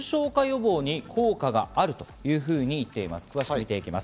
重症化予防に効果があるというふうに見ています。